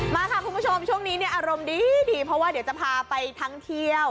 มาค่ะคุณผู้ชมช่วงนี้เนี่ยอารมณ์ดีเพราะว่าเดี๋ยวจะพาไปท่องเที่ยว